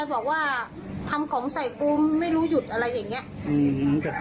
ฟาดกระโดดลูกค้าลูกค้าหลบ